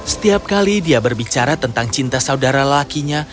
setiap kali dia berbicara tentang cinta saudara lelakinya